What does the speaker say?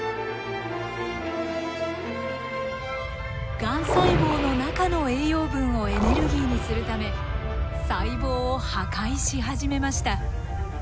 がん細胞の中の栄養分をエネルギーにするため細胞を破壊し始めました。